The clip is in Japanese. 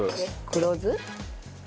黒酢！